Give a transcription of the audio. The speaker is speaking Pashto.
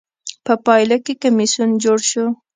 په پایله کې کمېسیون جوړ شو.